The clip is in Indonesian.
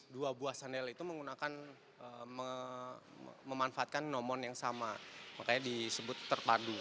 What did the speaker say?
dua buah sundial itu memanfaatkan nomon yang sama makanya disebut terpadu